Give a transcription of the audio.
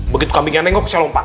begitu kambingnya nengok saya lompat